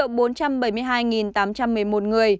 được tiêm một liều